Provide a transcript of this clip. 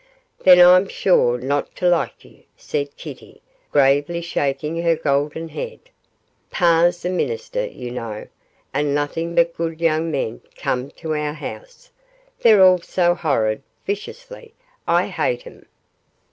Then I'm sure not to like you,' said Kitty, gravely shaking her golden head. 'Pa's a minister, you know, and nothing but good young men come to our house; they're all so horrid,' viciously, 'I hate 'em.